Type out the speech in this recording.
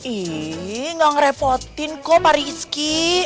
ih gak merepotkan kok pak rizky